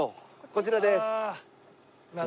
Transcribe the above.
こちらです。